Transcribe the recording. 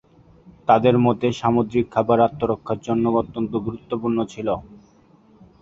তাদের মতে, সামুদ্রিক খাবার আত্মরক্ষার জন্য অত্যন্ত গুরুত্বপূর্ণ ছিল।